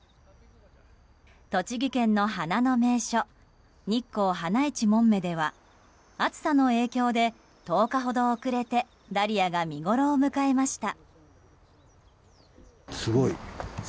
栃木県の花の名所日光花いちもんめでは暑さの影響で、１０日ほど遅れてダリアが見ごろを迎えました。